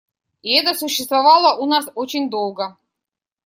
И это существовало у нас очень долго.